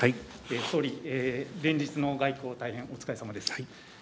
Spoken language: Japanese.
総理連日の外交お疲れさまです。